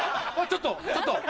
ちょっとちょっと！